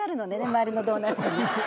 周りのドーナツに。